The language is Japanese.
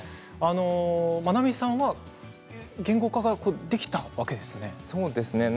まなみさんは言語化ができたわけですね。